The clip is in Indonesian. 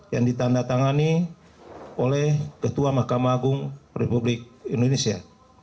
yang ditandatangani oleh ketua mahkamah agung republik indonesia